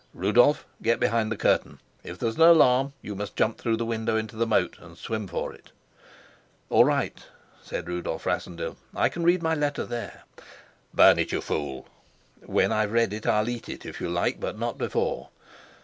Rudolf, get behind the curtain. If there's an alarm you must jump through the window into the moat and swim for it." "All right," said Rudolf Rassendyll. "I can read my letter there." "Burn it, you fool." "When I've read it I'll eat it, if you like, but not before."